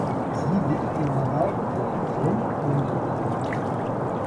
Sie liegt innerhalb der Region Bundelkhand.